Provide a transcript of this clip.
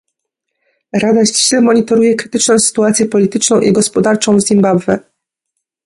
Rada ściśle monitoruje krytyczną sytuację polityczną i gospodarczą w Zimbabwe